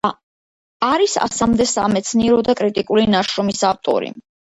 არის ასამდე სამეცნიერო და კრიტიკული ნაშრომის ავტორი.